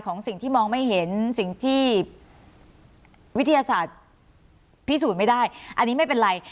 สิ่งที่มองไม่เห็นสิ่งที่วิทยาศาสตร์พิสูจน์ไม่ได้อันนี้ไม่เป็นไร